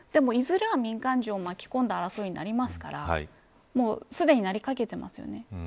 いずれは民間人を巻き込んだ争いになりますからすでに、なりかけてますよね。